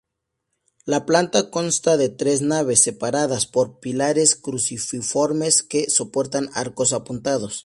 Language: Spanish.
La planta consta de tres naves separadas por pilares cruciformes que soportan arcos apuntados.